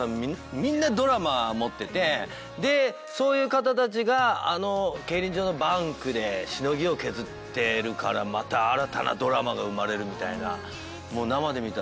みんなドラマ持っててそういう方たちがあの競輪場のバンクでしのぎを削ってるからまた新たなドラマが生まれるみたいな。